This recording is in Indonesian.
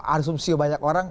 asumsi banyak orang